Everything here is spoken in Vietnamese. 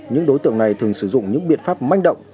những đối tượng này thường sử dụng những biện pháp manh động